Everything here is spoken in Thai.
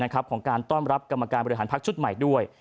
ของการต้อนรับกรรมการบริหารพักชุดใหม่ด้วย